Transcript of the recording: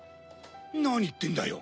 何言ってんだよ。